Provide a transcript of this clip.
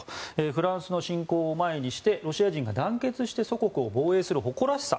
フランスの侵攻を前にしてロシア人が団結して祖国を防衛する誇らしさ。